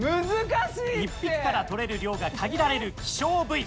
一匹からとれる量が限られる希少部位。